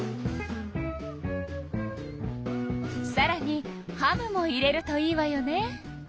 さらにハムも入れるといいわよね。